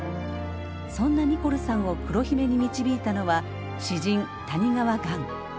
そんなニコルさんを黒姫に導いたのは詩人谷川雁。